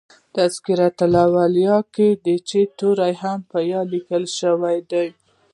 " تذکرةالاولیاء" کښي د "چي" توری هم په "ي" لیکل سوی دئ.